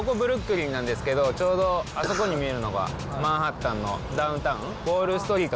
ここは、ここブルックリンなんですけど、ちょうどあそこに見えるのが、マンハッタンのダウンタウン。